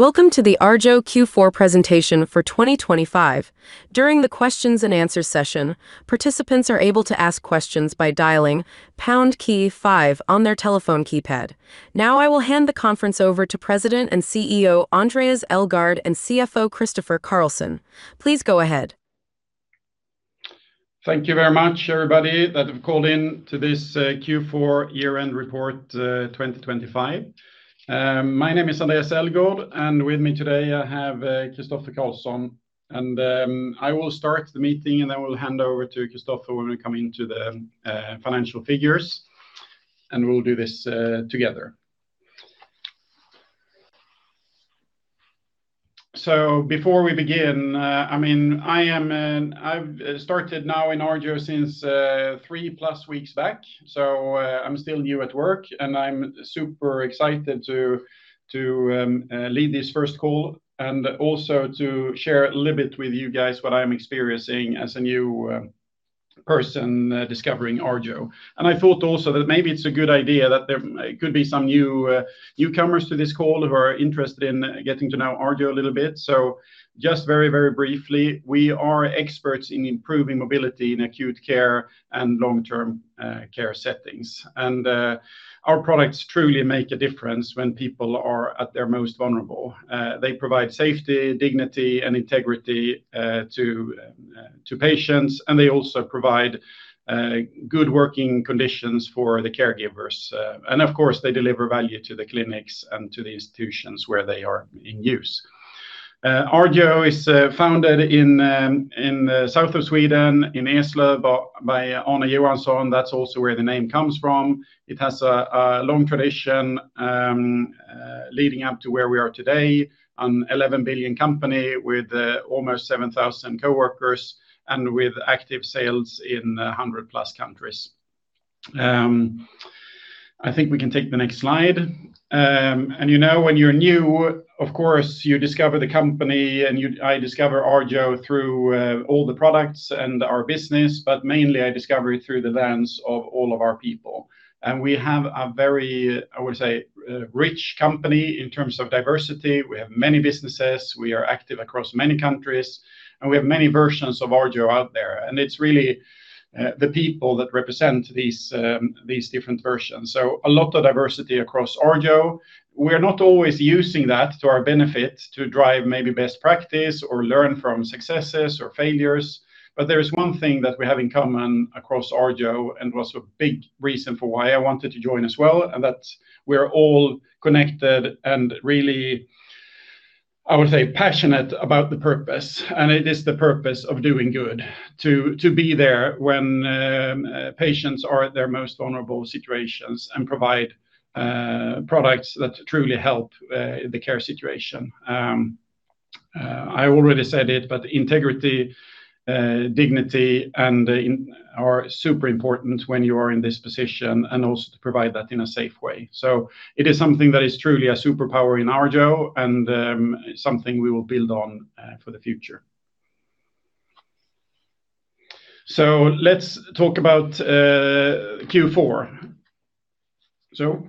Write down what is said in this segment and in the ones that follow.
Welcome to the Arjo Q4 presentation for 2025. During the questions-and-answers session, participants are able to ask questions by dialing pound key five on their telephone keypad. Now, I will hand the conference over to President and CEO, Andreas Elgaard, and CFO, Christofer Carlsson. Please go ahead. Thank you very much, everybody, that have called in to this Q4 year-end report 2025. My name is Andreas Elgaard, and with me today, I have Christofer Carlsson. And I will start the meeting, and then we'll hand over to Christofer when we come into the financial figures, and we'll do this together. So before we begin, I mean, I am, I've started now in Arjo since three-plus weeks back, so I'm still new at work, and I'm super excited to lead this first call and also to share a little bit with you guys what I'm experiencing as a new person discovering Arjo. And I thought also that maybe it's a good idea that there could be some new newcomers to this call who are interested in getting to know Arjo a little bit. So just very, very briefly, we are experts in improving mobility in acute care and long-term care settings. And our products truly make a difference when people are at their most vulnerable. They provide safety, dignity, and integrity to patients, and they also provide good working conditions for the caregivers. And of course, they deliver value to the clinics and to the institutions where they are in use. Arjo is founded in the south of Sweden, in Eslöv, by Arne Johansson. That's also where the name comes from. It has a long tradition leading up to where we are today, a 11 billion company with almost 7,000 coworkers and with active sales in 100+ countries. I think we can take the next slide. And you know, when you're new, of course, you discover the company, and I discover Arjo through all the products and our business, but mainly I discover it through the lens of all of our people. And we have a very, I would say, rich company in terms of diversity. We have many businesses, we are active across many countries, and we have many versions of Arjo out there, and it's really the people that represent these different versions. So a lot of diversity across Arjo. We are not always using that to our benefit to drive maybe best practice or learn from successes or failures, but there is one thing that we have in common across Arjo, and was a big reason for why I wanted to join as well, and that's we are all connected and really, I would say, passionate about the purpose. It is the purpose of doing good, to be there when patients are at their most vulnerable situations and provide products that truly help the care situation. I already said it, but integrity, dignity, and are super important when you are in this position, and also to provide that in a safe way. So it is something that is truly a superpower in Arjo and, something we will build on for the future. So let's talk about Q4. So,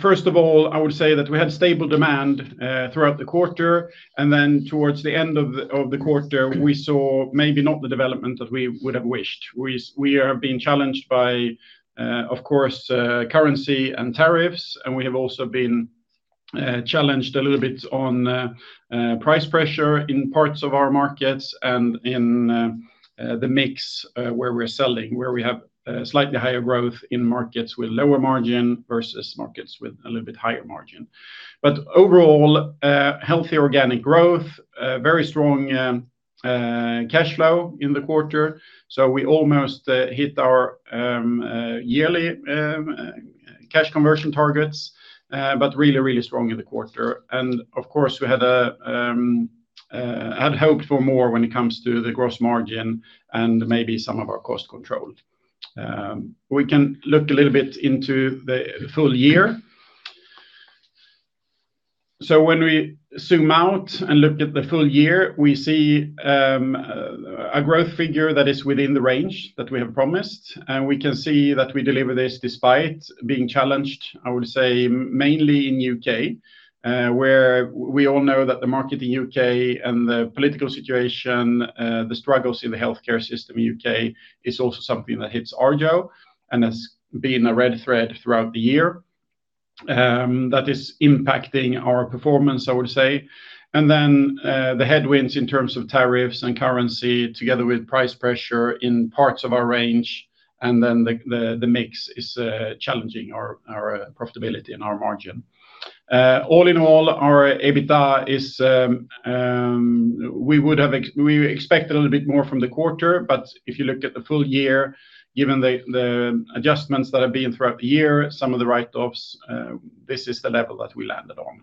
first of all, I would say that we had stable demand throughout the quarter, and then towards the end of the quarter, we saw maybe not the development that we would have wished. We are being challenged by, of course, currency and tariffs, and we have also been challenged a little bit on price pressure in parts of our markets and in the mix, where we have slightly higher growth in markets with lower margin versus markets with a little bit higher margin. But overall, healthy organic growth, very strong cash flow in the quarter. So we almost hit our yearly cash conversion targets, but really, really strong in the quarter. Of course, we had hoped for more when it comes to the gross margin and maybe some of our cost control. We can look a little bit into the full year. When we zoom out and look at the full year, we see a growth figure that is within the range that we have promised, and we can see that we deliver this despite being challenged, I would say, mainly in U.K., where we all know that the market in U.K. and the political situation, the struggles in the healthcare system in U.K., is also something that hits Arjo and has been a red thread throughout the year. That is impacting our performance, I would say. And then, the headwinds in terms of tariffs and currency, together with price pressure in parts of our range, and then the mix is challenging our profitability and our margin. All in all, our EBITDA is. We would have expected a little bit more from the quarter, but if you looked at the full year, given the adjustments that have been throughout the year, some of the write-offs, this is the level that we landed on.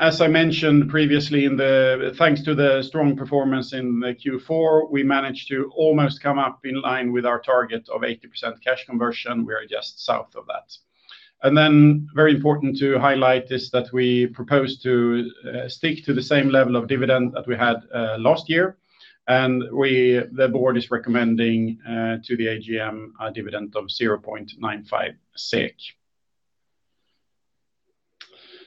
As I mentioned previously, thanks to the strong performance in the Q4, we managed to almost come up in line with our target of 80% cash conversion. We are just south of that. And then, very important to highlight is that we propose to stick to the same level of dividend that we had last year. We, the board, is recommending to the AGM a dividend of 0.95.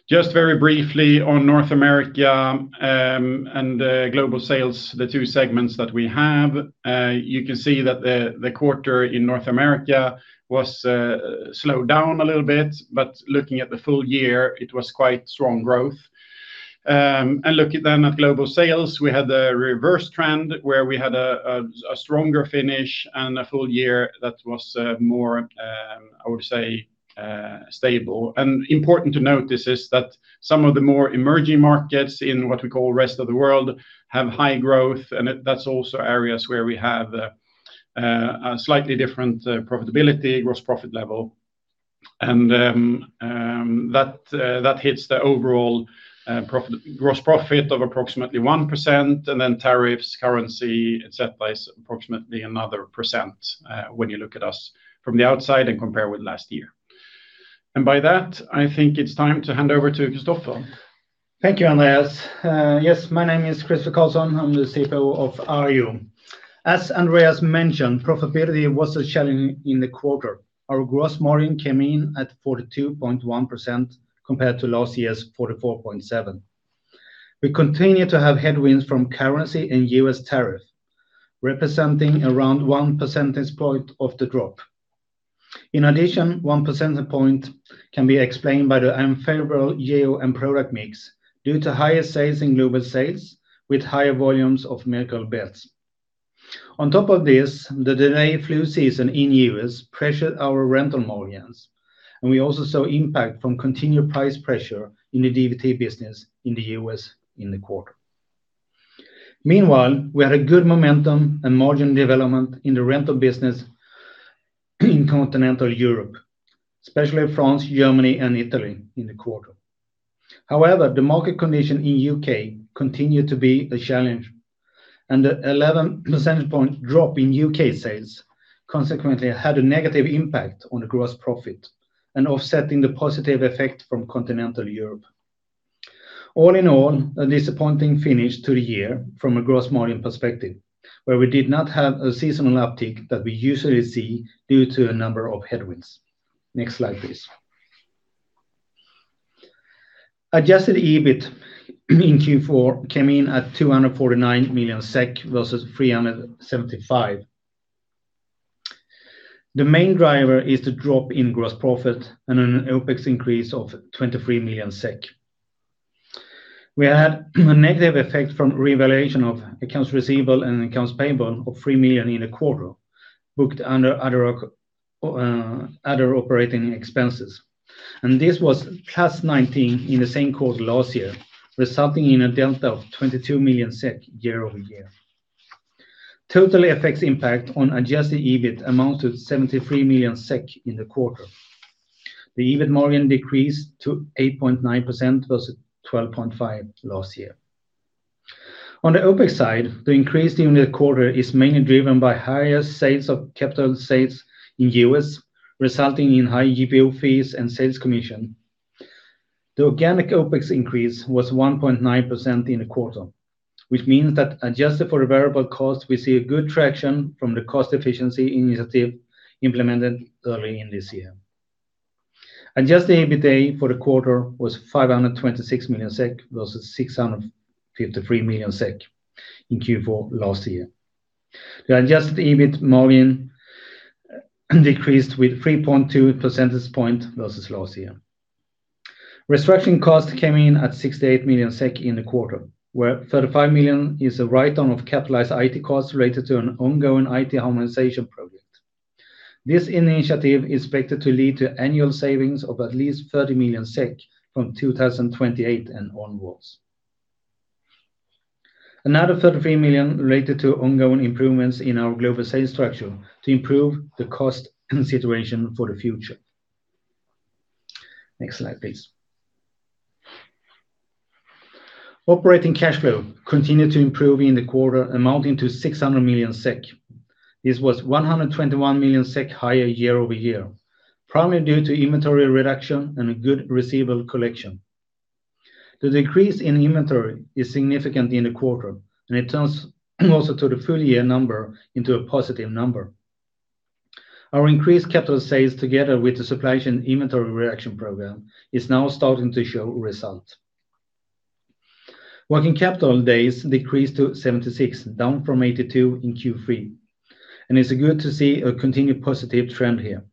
Just very briefly on North America and Global Sales, the two segments that we have. You can see that the quarter in North America was slowed down a little bit, but looking at the full year, it was quite strong growth. Looking then at Global Sales, we had the reverse trend, where we had a stronger finish and a full year that was more, I would say, stable. Important to note this is that some of the more emerging markets in what we call Rest of the World have high growth, and that's also areas where we have a slightly different profitability, gross profit level. That hits the overall gross profit of approximately 1%, and then tariffs, currency, et cetera, is approximately another 1%, when you look at us from the outside and compare with last year. And by that, I think it's time to hand over to Christofer. Thank you, Andreas. Yes, my name is Christofer Carlsson. I'm the CFO of Arjo. As Andreas mentioned, profitability was a challenge in the quarter. Our gross margin came in at 42.1% compared to last year's 44.7%. We continue to have headwinds from currency and U.S. tariff, representing around one percentage point of the drop. In addition, one percentage point can be explained by the unfavorable GPO and product mix, due to higher sales in GPO sales with higher volumes of medical beds. On top of this, the delayed flu season in U.S. pressured our rental margins, and we also saw impact from continued price pressure in the DVT business in the U.S. in the quarter. Meanwhile, we had a good momentum and margin development in the rental business in Continental Europe, especially France, Germany, and Italy in the quarter. However, the market condition in U.K. continued to be a challenge, and the 11 percentage point drop in U.K. sales consequently had a negative impact on the gross profit and offsetting the positive effect from Continental Europe. All in all, a disappointing finish to the year from a gross margin perspective, where we did not have a seasonal uptick that we usually see due to a number of headwinds. Next slide, please. Adjusted EBIT in Q4 came in at 249 million SEK versus 375. The main driver is the drop in gross profit and an OpEx increase of 23 million SEK. We had a negative effect from revaluation of accounts receivable and accounts payable of 3 million in a quarter, booked under other operating expenses, and this was +19 in the same quarter last year, resulting in a delta of 22 million SEK year-over-year. Total FX impact on adjusted EBIT amounted to 73 million SEK in the quarter. The EBIT margin decreased to 8.9% versus 12.5 last year. On the OpEx side, the increase in the quarter is mainly driven by higher sales of capital sales in U.S., resulting in high GPO fees and sales commission. The organic OpEx increase was 1.9% in the quarter, which means that adjusted for the variable cost, we see a good traction from the cost efficiency initiative implemented early in this year. Adjusted EBITDA for the quarter was 526 million SEK, versus 653 million SEK in Q4 last year. The Adjusted EBIT margin decreased with 3.2 percentage points versus last year. Restructuring costs came in at 68 million SEK in the quarter, where 35 million is a write-down of capitalized IT costs related to an ongoing IT harmonization project. This initiative is expected to lead to annual savings of at least 30 million SEK from 2028 and onwards. Another 33 million related to ongoing improvements in our Global Sales structure to improve the cost and situation for the future. Next slide, please. Operating cash flow continued to improve in the quarter, amounting to 600 million SEK. This was 121 million SEK higher year-over-year, primarily due to inventory reduction and a good receivable collection. The decrease in inventory is significant in the quarter, and it turns also to the full year number into a positive number. Our increased capital sales, together with the supply chain inventory reduction program, is now starting to show results. Working capital days decreased to 76, down from 82 in Q3, and it's good to see a continued positive trend here.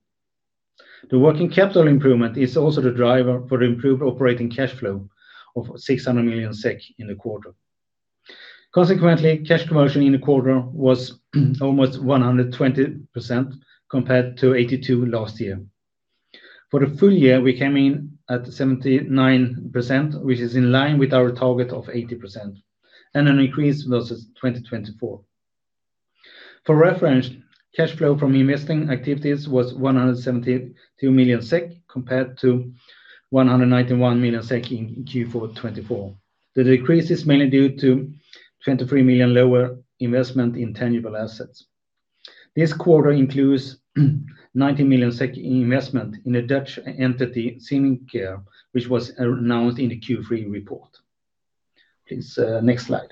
The working capital improvement is also the driver for the improved operating cash flow of 600 million SEK in the quarter. Consequently, cash conversion in the quarter was almost 120% compared to 82% last year. For the full year, we came in at 79%, which is in line with our target of 80%, and an increase versus 2024. For reference, cash flow from investing activities was 172 million SEK, compared to 191 million SEK in Q4 2024. The decrease is mainly due to 23 million lower investment in tangible assets. This quarter includes 90 million SEK investment in a Dutch entity, Zin Care, which was announced in the Q3 report. Please, next slide.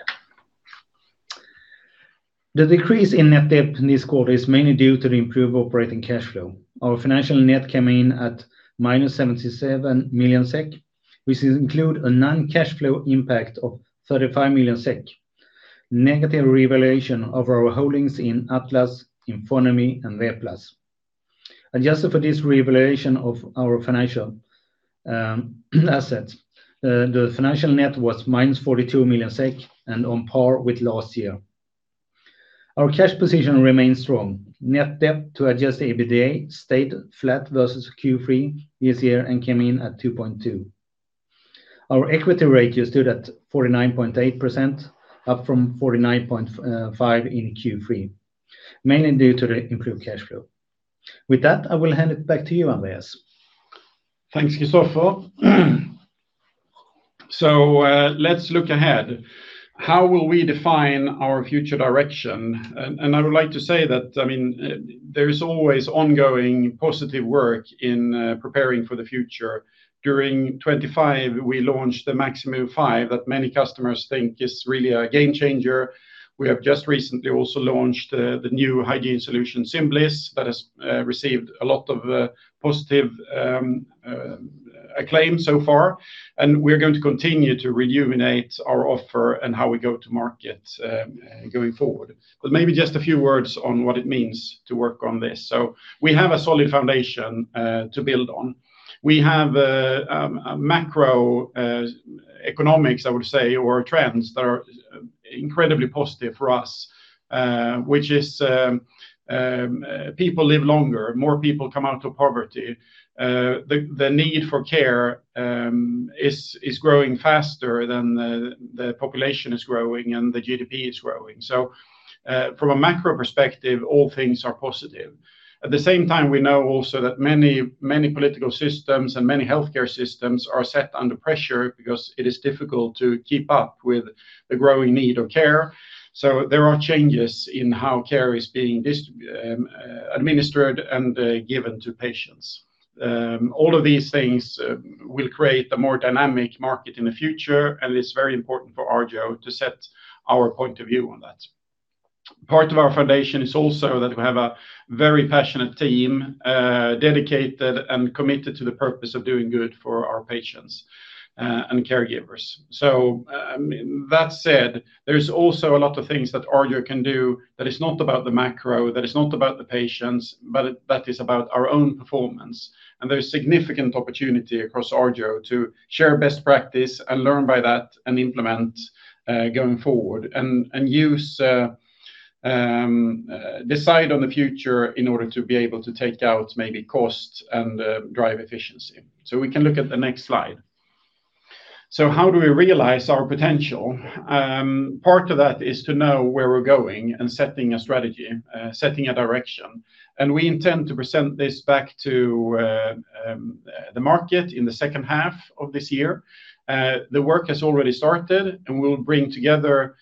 The decrease in net debt in this quarter is mainly due to the improved operating cash flow. Our financial net came in at -77 million SEK, which include a non-cash flow impact of 35 million SEK. Negative revaluation of our holdings in Atlas, Infront, and Ratos. Adjusted for this revaluation of our financial, assets, the financial net was -42 million SEK and on par with last year. Our cash position remains strong. Net debt to Adjusted EBITDA stayed flat versus Q3 this year and came in at 2.2. Our equity ratio stood at 49.8%, up from 49.5% in Q3, mainly due to the improved cash flow. With that, I will hand it back to you, Andreas. Thanks, Christofer. So, let's look ahead. How will we define our future direction? And I would like to say that, I mean, there is always ongoing positive work in preparing for the future. During 2025, we launched the Maxi Move, that many customers think is really a game changer. We have just recently also launched the new hygiene solution, Symbliss, that has received a lot of positive acclaim so far, and we're going to continue to rejuvenate our offer and how we go to market going forward. But maybe just a few words on what it means to work on this. So we have a solid foundation to build on. We have a macroeconomics, I would say, or trends that are incredibly positive for us, which is people live longer, more people come out of poverty. The need for care is growing faster than the population is growing and the GDP is growing. So from a macro perspective, all things are positive. At the same time, we know also that many, many political systems and many healthcare systems are set under pressure because it is difficult to keep up with the growing need of care. So there are changes in how care is being administered and given to patients. All of these things will create a more dynamic market in the future, and it's very important for Arjo to set our point of view on that. Part of our foundation is also that we have a very passionate team, dedicated and committed to the purpose of doing good for our patients, and caregivers. So, that said, there's also a lot of things that Arjo can do that is not about the macro, that is not about the patients, but that is about our own performance. And there is significant opportunity across Arjo to share best practice and learn by that and implement, going forward, and decide on the future in order to be able to take out maybe cost and, drive efficiency. So we can look at the next slide. So how do we realize our potential? Part of that is to know where we're going and setting a strategy, setting a direction. We intend to present this back to the market in the second half of this year. The work has already started, and we will bring together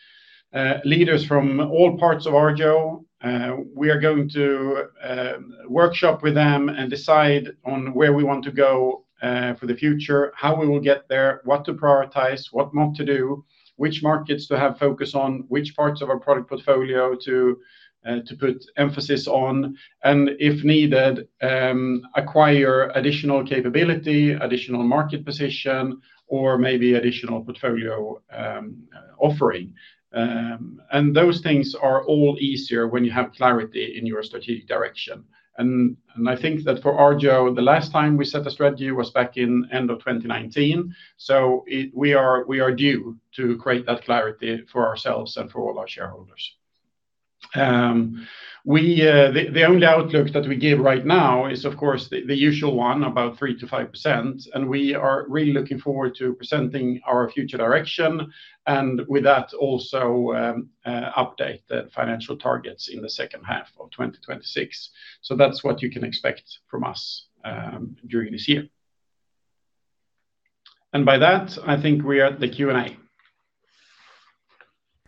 leaders from all parts of Arjo. We are going to workshop with them and decide on where we want to go for the future, how we will get there, what to prioritize, what not to do, which markets to have focus on, which parts of our product portfolio to put emphasis on, and if needed, acquire additional capability, additional market position, or maybe additional portfolio offering. Those things are all easier when you have clarity in your strategic direction. I think that for Arjo, the last time we set a strategy was back in end of 2019, so we are, we are due to create that clarity for ourselves and for all our shareholders. The only outlook that we give right now is, of course, the usual one, about 3%-5%, and we are really looking forward to presenting our future direction, and with that, also update the financial targets in the second half of 2026. So that's what you can expect from us during this year. And by that, I think we are at the Q and A.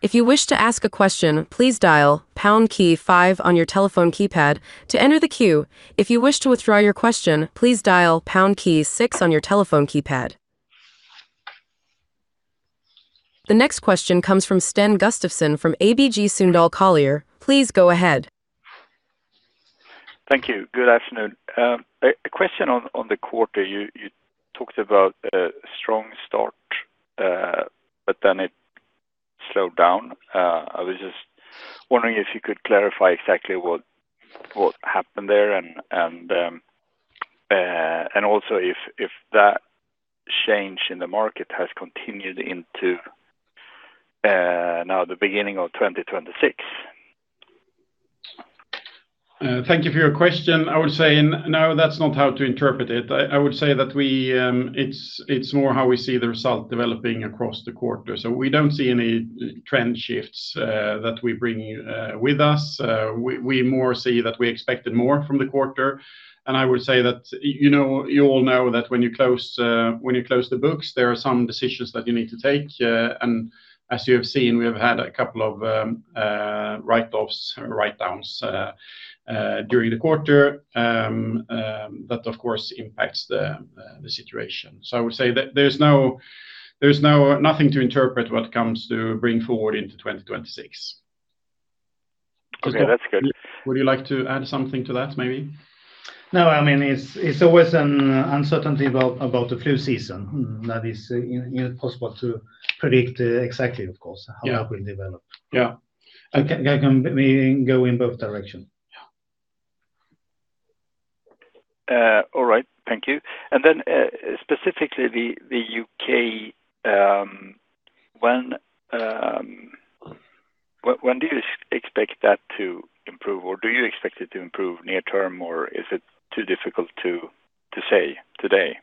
If you wish to ask a question, please dial pound key five on your telephone keypad to enter the queue. If you wish to withdraw your question, please dial pound key six on your telephone keypad. The next question comes from Sten Gustafsson, from ABG Sundal Collier. Please go ahead. Thank you. Good afternoon. A question on the quarter. You talked about a strong start, but then it slowed down. I was just wondering if you could clarify exactly what happened there and also if that change in the market has continued into now the beginning of 2026. Thank you for your question. I would say no, that's not how to interpret it. I would say that it's more how we see the result developing across the quarter. So we don't see any trend shifts that we bring with us. We more see that we expected more from the quarter. And I would say that, you know, you all know that when you close the books, there are some decisions that you need to take. And as you have seen, we have had a couple of write-offs or write-downs during the quarter. That, of course, impacts the situation. So I would say that there's nothing to interpret what comes to bring forward into 2026. Okay, that's good. Would you like to add something to that, maybe? No, I mean, it's always an uncertainty about the flu season that is impossible to predict exactly, of course. Yeah How that will develop. Yeah. Okay, can we go in both directions? Yeah. All right, thank you. And then, specifically the U.K., when do you expect that to improve? Or do you expect it to improve near term, or is it too difficult to say today?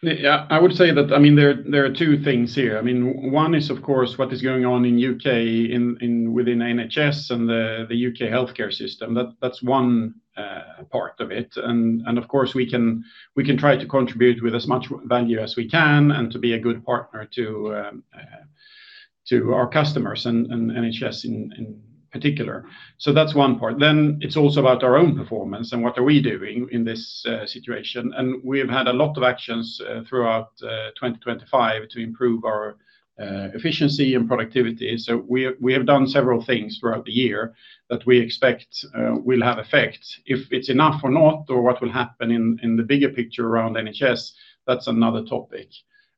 Yeah, I would say that, I mean, there are two things here. I mean, one is, of course, what is going on in U.K. within NHS and the U.K. healthcare system, that's one part of it. And of course, we can try to contribute with as much value as we can and to be a good partner to our customers and NHS in particular. So that's one part. Then it's also about our own performance and what are we doing in this situation. And we have had a lot of actions throughout 2025 to improve our efficiency and productivity. So we have done several things throughout the year that we expect will have effect. If it's enough or not, or what will happen in the bigger picture around NHS, that's another topic.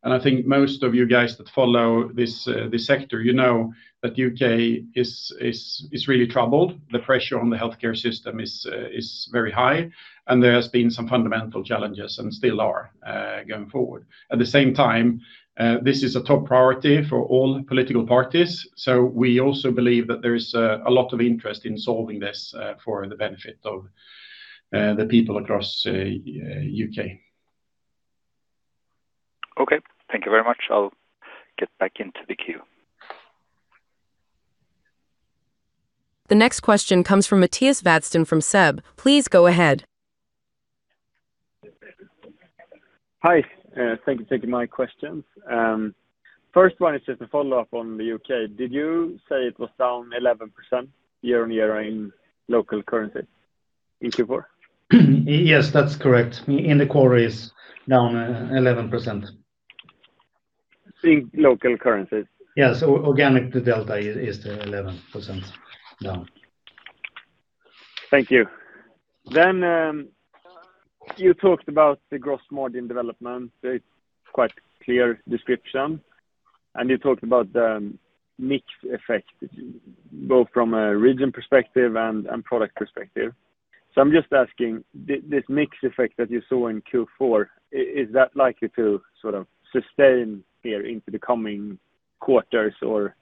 And I think most of you guys that follow this, this sector, you know that U.K. is really troubled. The pressure on the healthcare system is very high, and there has been some fundamental challenges and still are going forward. At the same time, this is a top priority for all political parties, so we also believe that there is a lot of interest in solving this for the benefit of the people across U.K. Okay, thank you very much. I'll get back into the queue. The next question comes from Mattias Vadsten from SEB. Please go ahead. Hi, thank you for taking my questions. First one is just a follow-up on the U.K. Did you say it was down 11% year-on-year in local currency in Q4? Yes, that's correct. In the quarter is down 11%. In local currency? Yes, organic, the delta is the 11% down. Thank you. Then, you talked about the gross margin development. It's quite clear description, and you talked about the mix effect, both from a region perspective and product perspective. So I'm just asking, this mix effect that you saw in Q4, is that likely to sort of sustain here into the coming quarters? Or,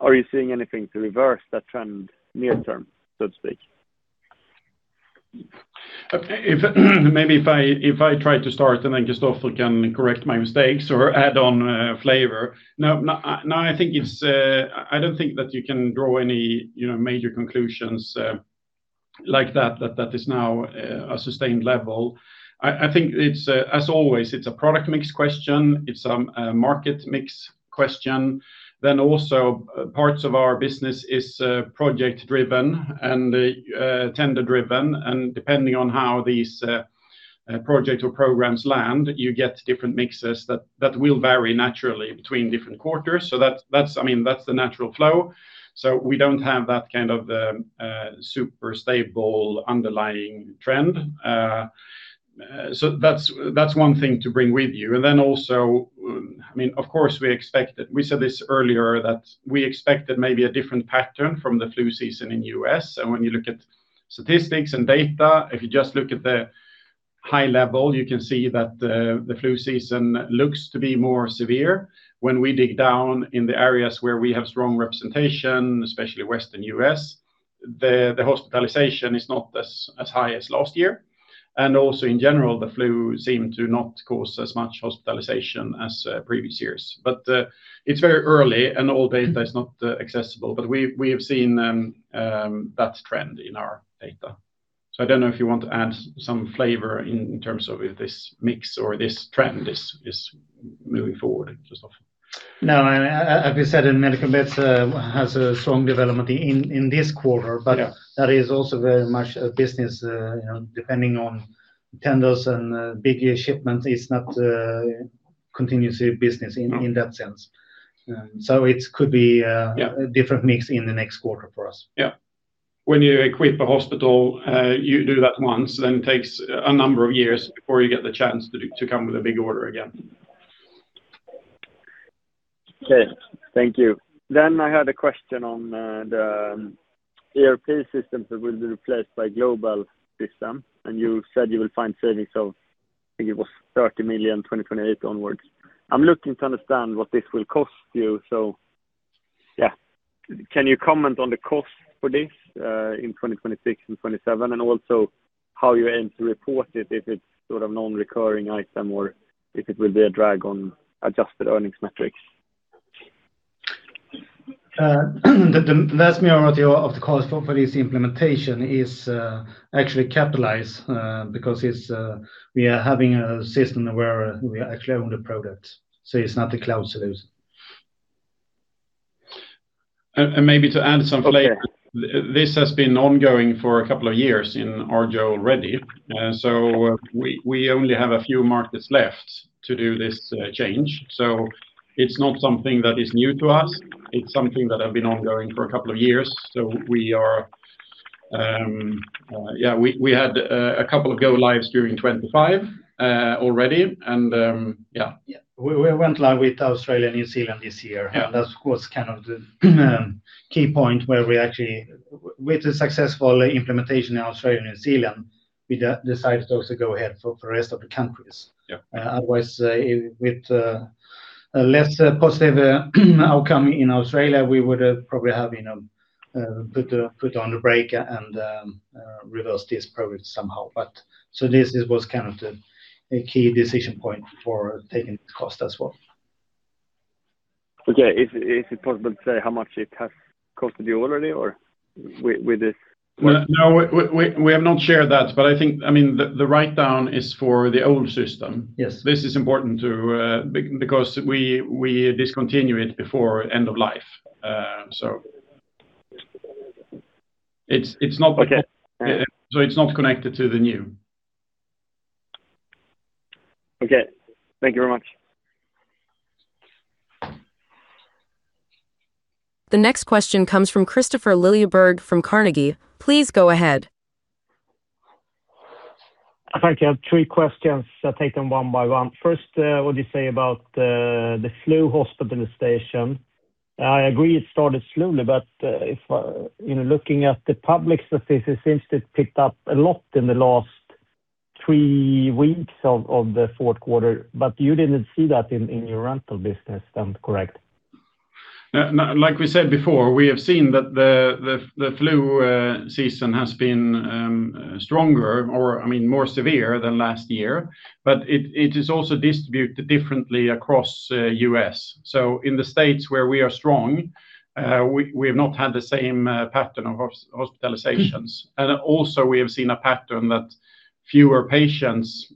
are you seeing anything to reverse that trend near term, so to speak? If, maybe if I, if I try to start and then Christofer can correct my mistakes or add on flavor. No, no, now I think it's, I don't think that you can draw any, you know, major conclusions, like that, that is now a sustained level. I think it's, as always, it's a product mix question, it's a market mix question. Then also, parts of our business is project driven and tender driven, and depending on how these project or programs land, you get different mixes that will vary naturally between different quarters. So that, that's, I mean, that's the natural flow. So we don't have that kind of super stable underlying trend. So that's one thing to bring with you. And then also, I mean, of course, we expect that. We said this earlier, that we expected maybe a different pattern from the flu season in U.S. And when you look at statistics and data, if you just look at the high level, you can see that the flu season looks to be more severe. When we dig down in the areas where we have strong representation, especially Western U.S., the hospitalization is not as high as last year. And also in general, the flu seem to not cause as much hospitalization as previous years. But it's very early and all data is not accessible. But we have seen that trend in our data. So I don't know if you want to add some flavor in terms of if this mix or this trend is moving forward, Christofer. No, as we said, in medical beds has a strong development in this quarter. Yeah. But that is also very much a business, you know, depending on tenders and bigger shipment, is not continuously business in- No In that sense. So it could be, Yeah A different mix in the next quarter for us. Yeah. When you equip a hospital, you do that once, then it takes a number of years before you get the chance to come with a big order again. Okay, thank you. Then I had a question on the ERP systems that will be replaced by global system, and you said you will find savings of, I think it was 30 million 2028 onwards. I'm looking to understand what this will cost you. So, yeah, can you comment on the cost for this in 2026 and 2027, and also how you aim to report it, if it's sort of non-recurring item or if it will be a drag on adjusted earnings metrics? The vast majority of the cost for this implementation is actually capitalized because it's we are having a system where we actually own the product, so it's not a cloud solution. And maybe to add some flavor- Okay This has been ongoing for a couple of years in Arjo already. So we only have a few markets left to do this change. So it's not something that is new to us, it's something that have been ongoing for a couple of years. We had a couple of go lives during 2025 already, and yeah. Yeah, we went live with Australia and New Zealand this year. Yeah. That was kind of the key point where we actually, with the successful implementation in Australia and New Zealand, we decided to also go ahead for the rest of the countries. Yeah. Otherwise, with a less positive outcome in Australia, we would probably have, you know, put on the brake and reverse this progress somehow. But so this was kind of a key decision point for taking the cost as well. Okay. Is it possible to say how much it has cost you already, or with this? Well, no, we have not shared that, but I think, I mean, the write-down is for the old system. Yes. This is important to because we discontinue it before end of life. So it's not- Okay. So it's not connected to the new. Okay. Thank you very much. The next question comes from Kristofer Liljeberg from Carnegie. Please go ahead. Thank you. I have three questions. I'll take them one by one. First, what do you say about the flu hospitalization? I agree it started slowly, but if you know, looking at the public sources, it seems it picked up a lot in the last three weeks of the fourth quarter, but you didn't see that in your rental business, am I correct? Like we said before, we have seen that the flu season has been stronger or, I mean, more severe than last year, but it is also distributed differently across the U.S. So in the states where we are strong, we have not had the same pattern of hospitalizations. And also, we have seen a pattern that fewer patients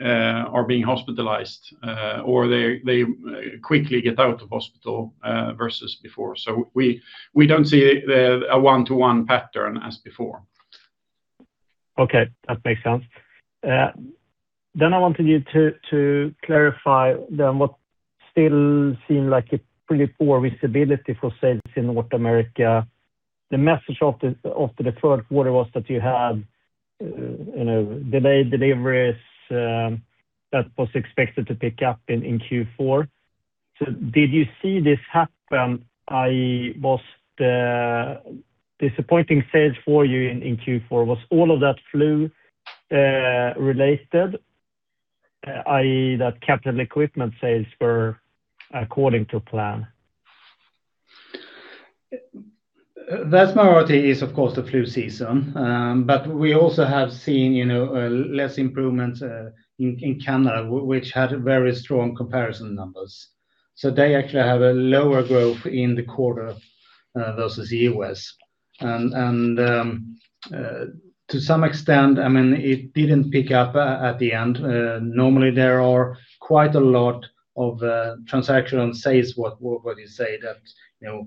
are being hospitalized or they quickly get out of hospital versus before. So we don't see a one-to-one pattern as before. Okay, that makes sense. Then I wanted you to, to clarify then what still seem like a pretty poor visibility for sales in North America. The message of the third quarter was that you had, you know, delayed deliveries, that was expected to pick up in Q4. So did you see this happen? I was, the disappointing sales for you in Q4, was all of that flu related, i.e., that capital equipment sales were according to plan? The vast majority is, of course, the flu season. But we also have seen, you know, less improvement in Canada, which had very strong comparison numbers. So they actually have a lower growth in the quarter versus the U.S. And to some extent, I mean, it didn't pick up at the end. Normally there are quite a lot of transaction on sales. What do you say that, you know,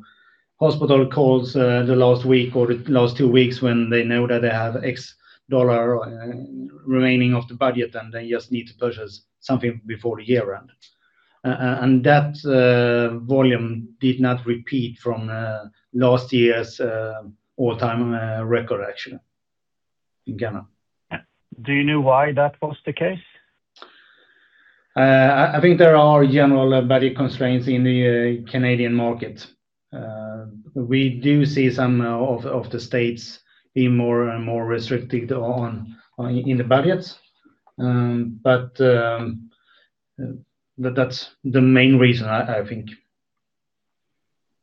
hospital calls the last week or the last two weeks when they know that they have X dollar remaining of the budget, and they just need to purchase something before the year end. And that volume did not repeat from last year's all-time record, actually, in Canada. Do you know why that was the case? I think there are general budget constraints in the Canadian market. We do see some of the states being more and more restricted on in the budgets. But that's the main reason I think.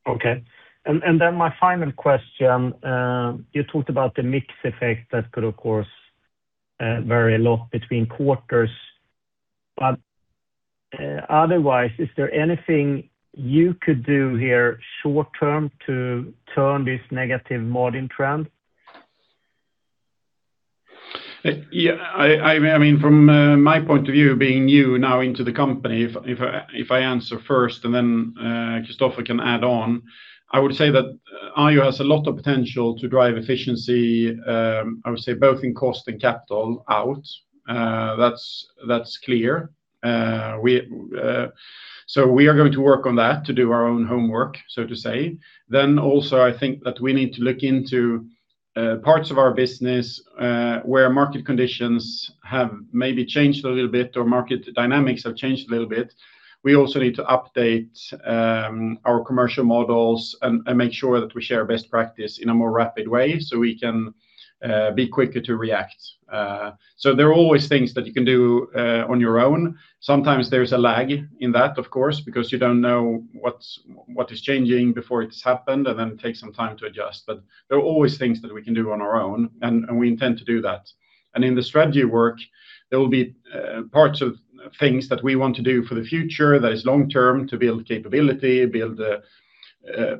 Okay. And then my final question, you talked about the mix effect that could, of course, vary a lot between quarters. But, otherwise, is there anything you could do here short term to turn this negative modeling trend? I mean, from my point of view, being new now into the company, if I answer first and then Christofer can add on, I would say that IU has a lot of potential to drive efficiency, I would say both in cost and capital out. That's clear. So we are going to work on that, to do our own homework, so to say. Then also, I think that we need to look into parts of our business where market conditions have maybe changed a little bit or market dynamics have changed a little bit. We also need to update our commercial models and make sure that we share best practice in a more rapid way so we can be quicker to react. So there are always things that you can do on your own. Sometimes there's a lag in that, of course, because you don't know what is changing before it's happened, and then it takes some time to adjust. But there are always things that we can do on our own, and we intend to do that. And in the strategy work, there will be parts of things that we want to do for the future that is long term to build capability,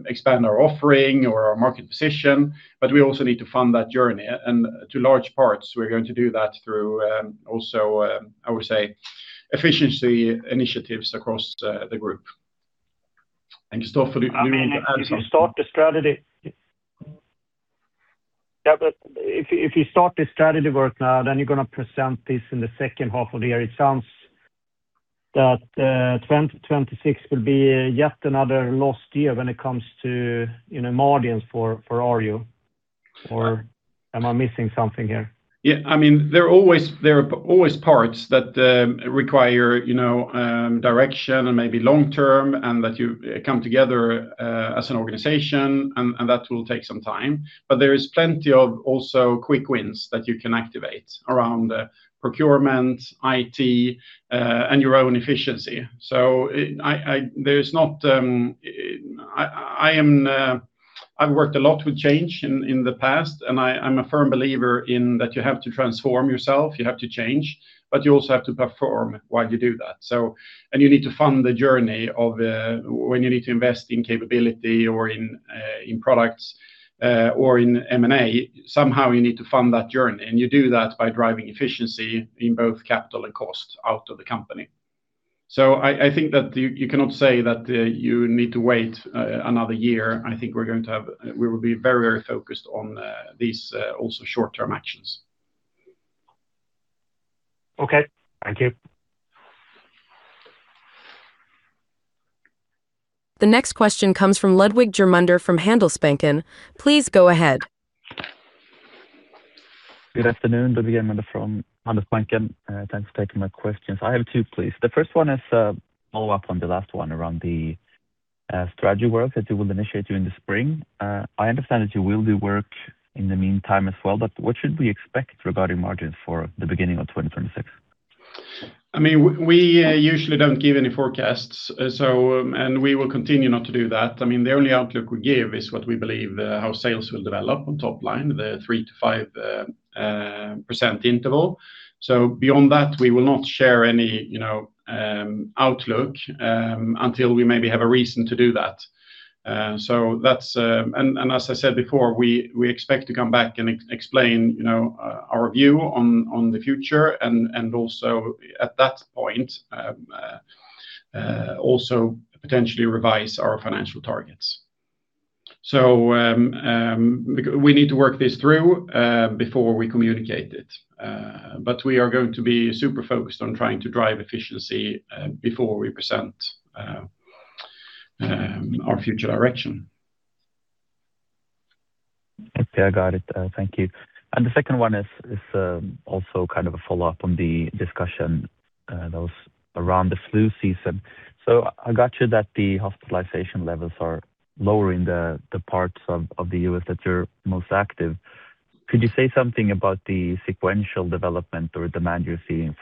expand our offering or our market position, but we also need to fund that journey. And to large parts, we're going to do that through also, I would say, efficiency initiatives across the group. And Christofer, do you want to add something? I mean, if you start the strategy. Yeah, but if you start the strategy work now, then you're gonna present this in the second half of the year. It sounds- That 2026 will be yet another lost year when it comes to, you know, margins for Arjo? Or am I missing something here? Yeah, I mean, there are always parts that require, you know, direction and maybe long-term, and that you come together as an organization, and that will take some time. But there is plenty of also quick wins that you can activate around procurement, IT, and your own efficiency. So I am. I've worked a lot with change in the past, and I'm a firm believer in that you have to transform yourself, you have to change, but you also have to perform while you do that. So you need to fund the journey when you need to invest in capability or in products or in M&A. Somehow you need to fund that journey, and you do that by driving efficiency in both capital and cost out of the company. So I think that you cannot say that you need to wait another year. I think we're going to have. We will be very, very focused on these also short-term actions. Okay, thank you. The next question comes from Ludvig Germundsson from Handelsbanken. Please go ahead. Good afternoon, Ludvig Germundsson from Handelsbanken. Thanks for taking my questions. I have two, please. The first one is, follow up on the last one around the, strategy work that you will initiate you in the spring. I understand that you will do work in the meantime as well, but what should we expect regarding margins for the beginning of 2026? I mean, we usually don't give any forecasts, so, and we will continue not to do that. I mean, the only outlook we give is what we believe how sales will develop on top line, the 3%-5% interval. So beyond that, we will not share any, you know, outlook, until we maybe have a reason to do that. So that's... And as I said before, we expect to come back and explain, you know, our view on the future, and also at that point, also potentially revise our financial targets. So we need to work this through before we communicate it. But we are going to be super focused on trying to drive efficiency before we present our future direction. Okay, I got it. Thank you. And the second one is also kind of a follow-up on the discussion, those around the flu season. So I got you that the hospitalization levels are lower in the parts of the U.S. that you're most active. Could you say something about the sequential development or demand you're seeing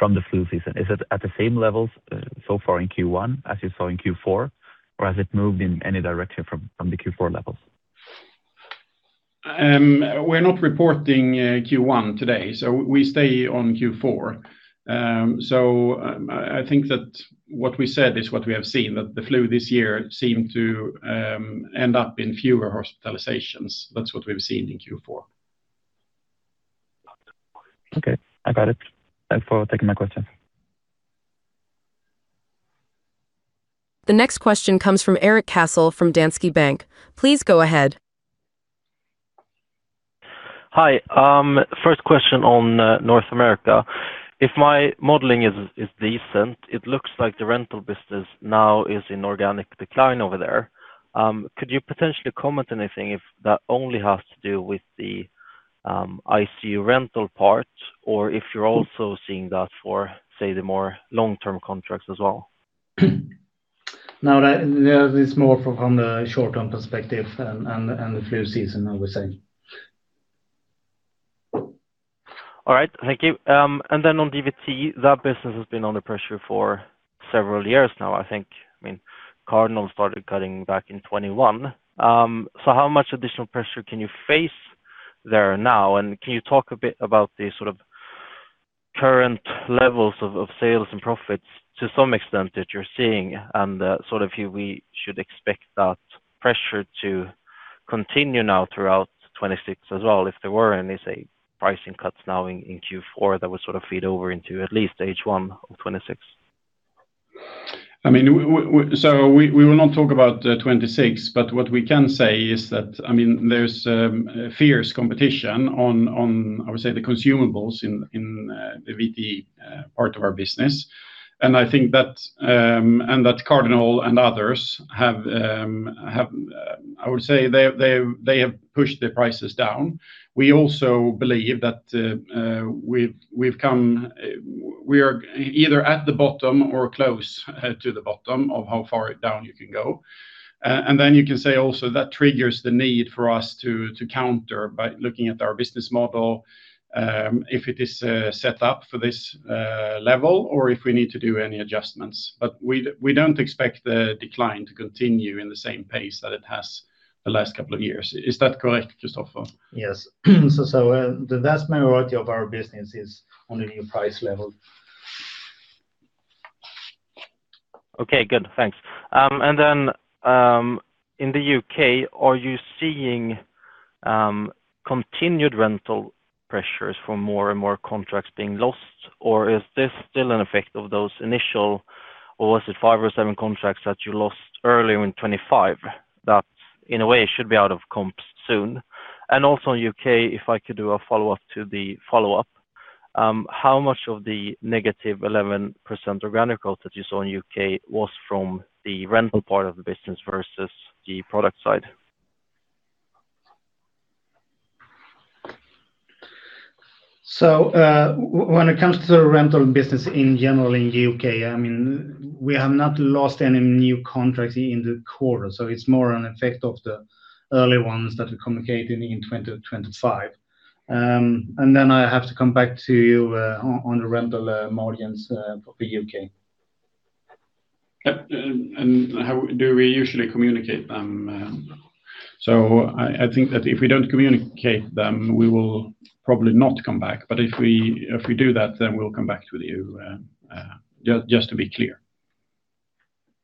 from the flu season? Is it at the same levels so far in Q1 as you saw in Q4, or has it moved in any direction from the Q4 levels? We're not reporting Q1 today, so we stay on Q4. I think that what we said is what we have seen, that the flu this year seemed to end up in fewer hospitalizations. That's what we've seen in Q4. Okay, I got it. Thanks for taking my questions. The next question comes from Erik Cassel, from Danske Bank. Please go ahead. Hi. First question on North America. If my modeling is decent, it looks like the rental business now is in organic decline over there. Could you potentially comment anything if that only has to do with the ICU rental part, or if you're also seeing that for, say, the more long-term contracts as well? No, that is more from on the short-term perspective and the flu season, I would say. All right. Thank you. And then on DVT, that business has been under pressure for several years now, I think. I mean, Cardinal started cutting back in 2021. So how much additional pressure can you face there now? And can you talk a bit about the sort of current levels of, of sales and profits to some extent that you're seeing? And, sort of if we should expect that pressure to continue now throughout 2026 as well, if there were any, say, pricing cuts now in, in Q4 that would sort of feed over into at least H1 of 2026. I mean, So we will not talk about 26, but what we can say is that, I mean, there's fierce competition on, I would say, the consumables in the DVT part of our business. And I think that and that Cardinal and others have, I would say they have pushed the prices down. We also believe that we've come, we are either at the bottom or close to the bottom of how far down you can go. And then you can say also that triggers the need for us to counter by looking at our business model, if it is set up for this level or if we need to do any adjustments. But we don't expect the decline to continue in the same pace that it has the last couple of years. Is that correct, Kristofer? Yes. The vast majority of our business is on a new price level. Okay, good. Thanks. And then, in the U.K., are you seeing continued rental pressures for more and more contracts being lost, or is this still an effect of those initial, or was it five or seven contracts that you lost earlier in 2025, that, in a way, should be out of comps soon? And also in U.K., if I could do a follow-up to the follow-up, how much of the -11% organic growth that you saw in U.K. was from the rental part of the business versus the product side? So, when it comes to the rental business in general in the U.K., I mean, we have not lost any new contracts in the quarter, so it's more an effect of the early ones that we communicated in 2020-2025. And then I have to come back to you on the rental margins for the U.K. Yep, how do we usually communicate them? So, I think that if we don't communicate them, we will probably not come back. But if we do that, then we'll come back to you, just to be clear.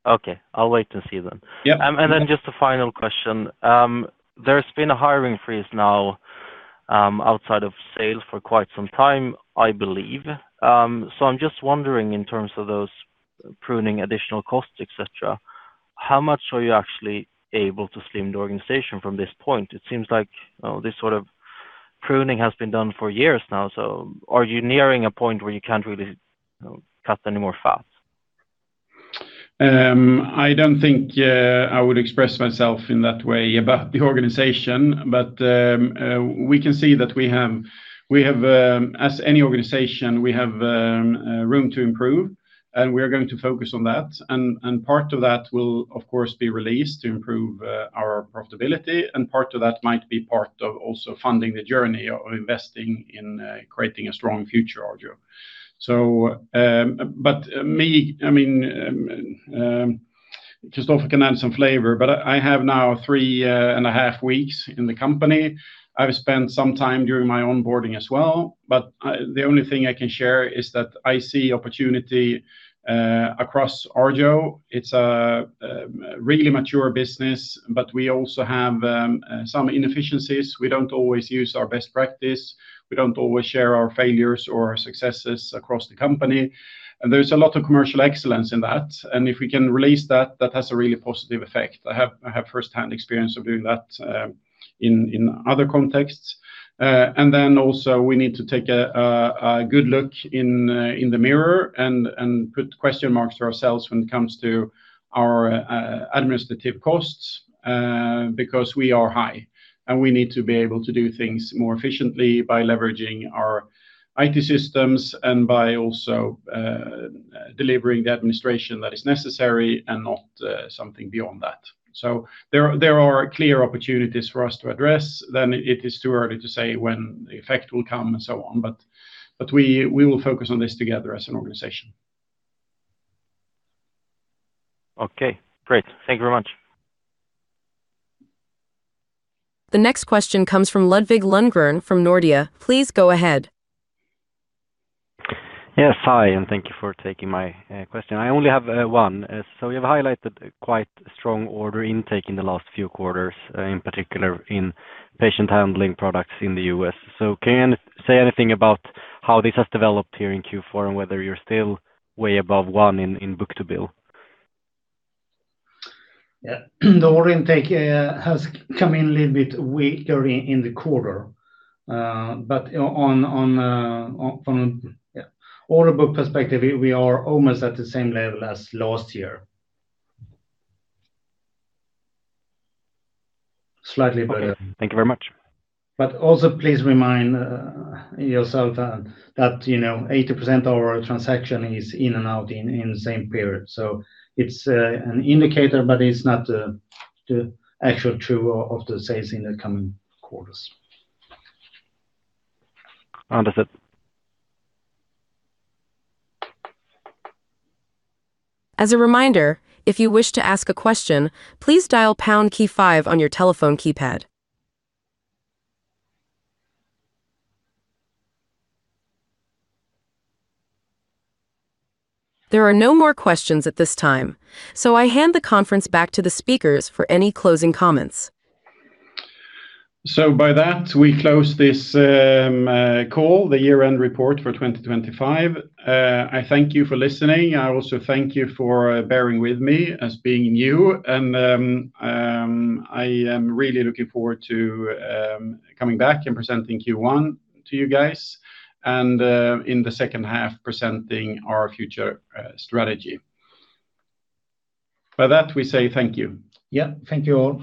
Okay. I'll wait to see then. Yeah. And then just a final question. There's been a hiring freeze now, outside of sales for quite some time, I believe. So I'm just wondering, in terms of those pruning additional costs, et cetera, how much are you actually able to slim the organization from this point? It seems like, this sort of pruning has been done for years now, so are you nearing a point where you can't really cut any more fat? I don't think I would express myself in that way about the organization, but we can see that we have, we have, as any organization, we have room to improve, and we are going to focus on that. And, and part of that will, of course, be released to improve our profitability, and part of that might be part of also funding the journey or investing in creating a strong future Arjo. So, but me, I mean, just often can add some flavor, but I, I have now three and a half weeks in the company. I've spent some time during my onboarding as well, but the only thing I can share is that I see opportunity across Arjo. It's a really mature business, but we also have some inefficiencies. We don't always use our best practice. We don't always share our failures or successes across the company. And there's a lot of commercial excellence in that, and if we can release that, that has a really positive effect. I have firsthand experience of doing that in other contexts. And then also we need to take a good look in the mirror, and put question marks to ourselves when it comes to our administrative costs, because we are high, and we need to be able to do things more efficiently by leveraging our IT systems and by also delivering the administration that is necessary and not something beyond that. So there are clear opportunities for us to address. It is too early to say when the effect will come and so on, but we will focus on this together as an organization. Okay, great. Thank you very much. The next question comes from Ludvig Lundgren from Nordea. Please go ahead. Yes, hi, and thank you for taking my question. I only have one. So you have highlighted quite a strong order intake in the last few quarters, in particular in patient handling products in the U.S. So can you say anything about how this has developed here in Q4, and whether you're still way above one in book-to-bill? Yeah. The order intake has come in a little bit weaker in the quarter. But yeah, on order book perspective, we are almost at the same level as last year. Slightly better. Okay. Thank you very much. But also please remind yourself that, you know, 80% of our transaction is in and out in the same period. So it's an indicator, but it's not the actual true of the sales in the coming quarters. Understood. As a reminder, if you wish to ask a question, please dial pound key five on your telephone keypad. There are no more questions at this time, so I hand the conference back to the speakers for any closing comments. By that, we close this call, the year-end report for 2025. I thank you for listening. I also thank you for bearing with me as being new and, I am really looking forward to, coming back and presenting Q1 to you guys, and, in the second half, presenting our future, strategy. By that, we say thank you. Yeah. Thank you all.